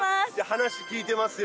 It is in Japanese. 話聞いてますよ。